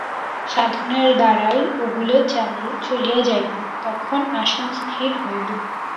সাধনের দ্বারাই ওগুলি চলিয়া যাইবে, তখন আসন স্থির হইবে।